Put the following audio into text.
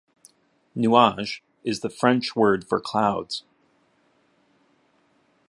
"Nuages" is the French word for "clouds".